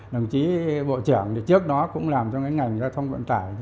đồng chí bộ trưởng trước đó cũng làm cho ngành giao thông vận tải